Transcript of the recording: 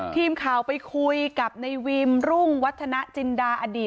ทีมข่าวไปคุยกับในวิมรุ่งวัฒนาจินดาอดีต